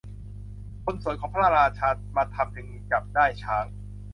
คนสวนของพระราชา มาทำจึงจับได้ช้าง